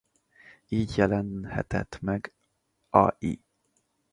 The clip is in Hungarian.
Így jelenhetett meg Al.